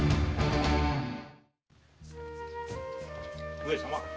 上様。